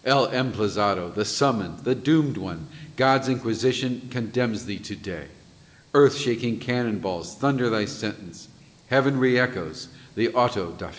El Emplazado, the Summoned, the Doomed One! God's Inquisition condemns thee to day! Earth shaking cannon bolts thunder thy sentence, Heaven reëchoes the auto da fé.